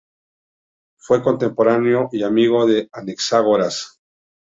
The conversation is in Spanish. Fue contemporáneo y amigo de Anaxágoras.